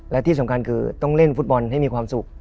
และที่สำคัญคือต้องเล่นฟุตบอลให้มีความสุข